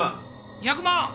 ２００万！